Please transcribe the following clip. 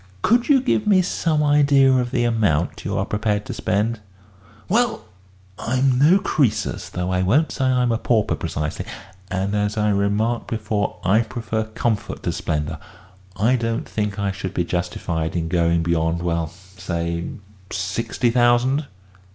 "Could you give me some idea of the amount you are prepared to spend?" "Well, I'm no Croesus though I won't say I'm a pauper precisely and, as I remarked before, I prefer comfort to splendour. I don't think I should be justified in going beyond well, say sixty thousand."